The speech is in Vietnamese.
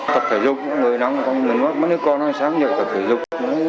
thật thể dục mấy con sáng dậy thật thể dục